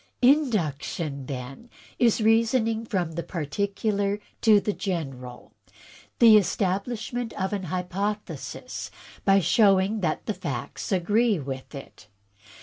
"Induction, then, is reasoning from the particular to the general; the establishment of an hypothesis by showing that the facts agree with it.